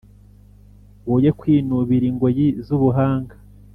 woye kwinubira ingoyi zubuhanga